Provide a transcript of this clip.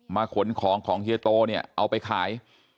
มาขนของของเฮียโตเอาไปขาย